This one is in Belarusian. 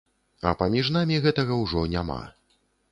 А паміж намі гэтага ўжо няма.